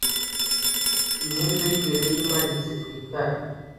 Imyenda yimbere yimanitse ku itara